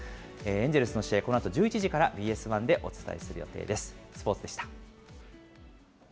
エンジェルスの試合、このあと１１時からＢＳ１でお伝えする予定です。